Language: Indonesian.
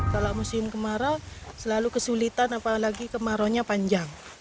kalau musim kemarau selalu kesulitan apalagi kemaraunya panjang